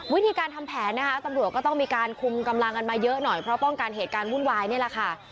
วิธีการทำแผนนะคะตำรวจก็ต้องมีการคุมกำลังกันมาเยอะหน่อยเพราะป้องกันเหตุการณ์วุ่นวายนี่แหละค่ะ